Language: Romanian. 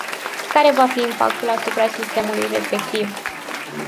Care va fi impactul asupra sistemului respectiv?